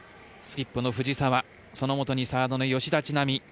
スキップの藤澤そのもとにサードの吉田知那美